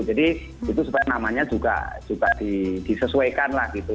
jadi itu supaya namanya juga juga di disesuaikan lah gitu